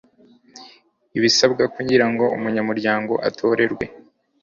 Ibisabwa kugira ngo umunyamuryango atorerwe